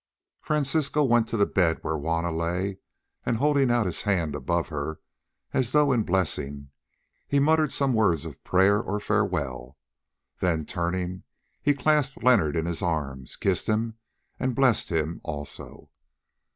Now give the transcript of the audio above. Francisco went to the bed where Juanna lay, and holding out his hand above her as though in blessing, he muttered some words of prayer or farewell. Then turning, he clasped Leonard in his arms, kissed him and blessed him also.